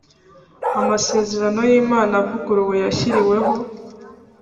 amasezerano y impano avuguruye yashyiriweho